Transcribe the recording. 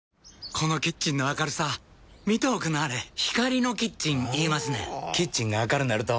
このキッチンの明るさ見ておくんなはれ光のキッチン言いますねんほぉキッチンが明るなると・・・